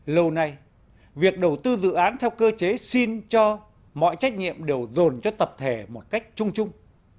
lâu nay việc đầu tư dự án theo cơ chế xin cho mọi trách nhiệm đều dồn cho tập thể một cách chung chung